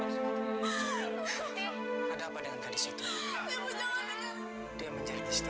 saya jadi tidak tega dengan majikan kita